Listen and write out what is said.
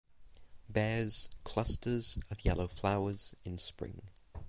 Bears clusters of yellow flowers in spring.